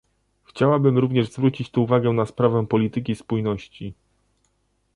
Chciałabym również zwrócić tu uwagę na sprawę polityki spójności